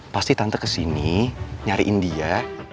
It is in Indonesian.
pasti tante kesini nyariin dia